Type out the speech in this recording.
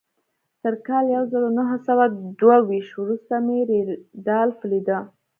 تر کال يو زر و نهه سوه دوه ويشت وروسته مې رينډالف ليده.